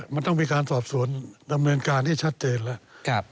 มันต้องมีการสอบสวนดำเนินการให้ชัดเจนแล้ว